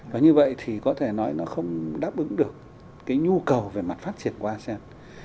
và như vậy thì có thể nói nó không đáp ứng được cái nhu cầu về mặt phát triển của asean